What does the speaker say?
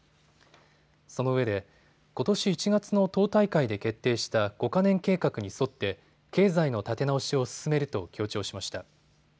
そのうえでことし１月の党大会で決定した５か年計画に沿って経済の立て直しを進めると強調しました。